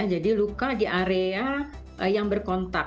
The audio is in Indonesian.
jadi luka di area yang berkontak